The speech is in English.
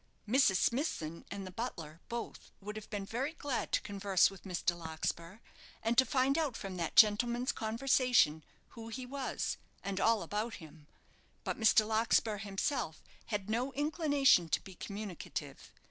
Mrs. Smithson and the butler both would have been very glad to converse with Mr. Larkspur, and to find out from that gentleman's conversation who he was, and all about him; but Mr. Larkspur himself had no inclination to be communicative.